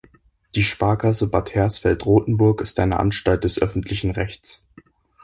Die Sparkasse Bad Hersfeld-Rotenburg ist eine Anstalt des öffentlichen Rechts.